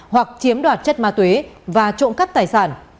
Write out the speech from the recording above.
hoặc chiếm đoạt chất ma tuế và trộn cắp tài sản